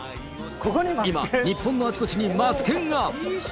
今、日本のあちこちにマツケンが。